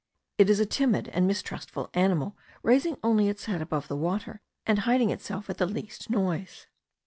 It is a timid and mistrustful animal, raising only its head above the water, and hiding itself at the least noise.